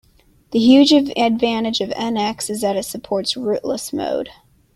The huge advantage of NX is that it supports "rootless" mode.